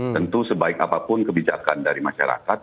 tentu sebaik apapun kebijakan dari masyarakat